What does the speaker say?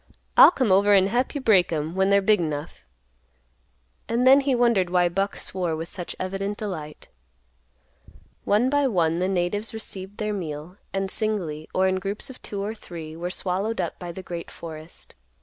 I'll come over an' hep you break 'em when they're big 'nough." And then he wondered why Buck swore with such evident delight. One by one the natives received their meal, and, singly, or in groups of two or three, were swallowed up by the great forest.